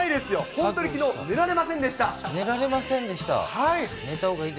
本当にきのう、寝られませんでした。